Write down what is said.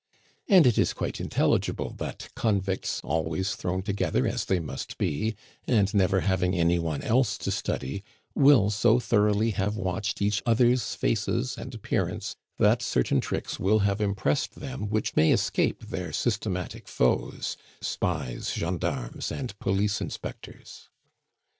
And it is quite intelligible that convicts, always thrown together, as they must be, and never having any one else to study, will so thoroughly have watched each other's faces and appearance, that certain tricks will have impressed them which may escape their systematic foes spies, gendarmes, and police inspectors.